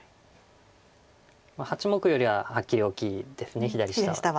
８目よりははっきり大きいです左下は。